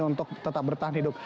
untuk tetap bertahan hidup